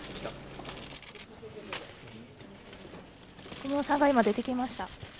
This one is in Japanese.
小室さんが今、出てきました。